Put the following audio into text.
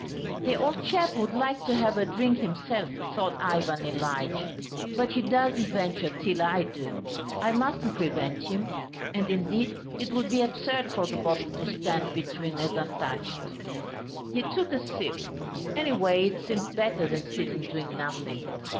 "The old chap would like to have a drink himself," thought Ivan Ilyitch, "but he doesn't venture till I do. I mustn't prevent him. And indeed it would be absurd for the bottle to stand between as untouched." He took a sip, anyway it seemed better than sitting doing nothing.